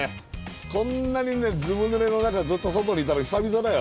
こんなにずぶぬれの中ずっと外にいたの久々だよ。